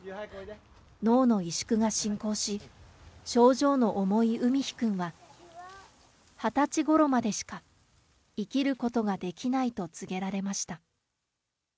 脳の萎縮が進行し、症状の重い海陽くんは、２０歳ごろまでしか、生きることができないと告げられました。